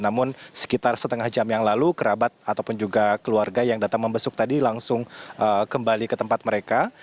namun sekitar setengah jam yang lalu kerabat ataupun juga keluarga yang datang membesuk tadi langsung kembali ke tempat mereka